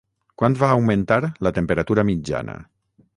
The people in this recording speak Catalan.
Quant va augmentar la temperatura mitjana?